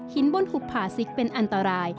บนหุบผ่าซิกเป็นอันตราย